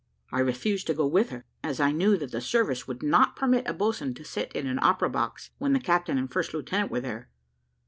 I refused to go with her, as I knew that the service would not permit a boatswain to sit in an opera box, when the captain and first lieutenant were there.